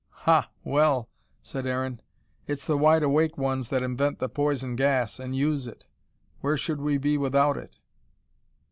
"Ha well," said Aaron. "It's the wide awake ones that invent the poison gas, and use it. Where should we be without it?"